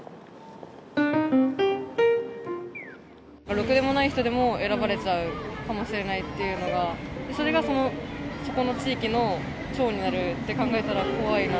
ろくでもない人でも選ばれるかもしれないっていうことが、それが、そこの地域の長になるって考えたら怖いな。